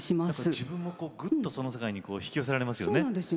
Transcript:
自分もぐっとその世界に引き寄せられますよね。